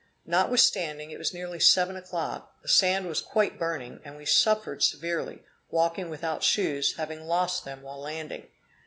Notwithstanding it was nearly seven o'clock, the sand was quite burning, and we suffered severely, walking without shoes, having lost them while landing.